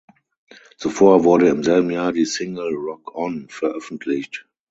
Zuvor wurde im selben Jahr die Single "Rock On" veröffentlicht.